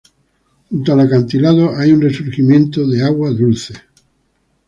Junto al acantilado, hay un resurgimiento de agua dulce.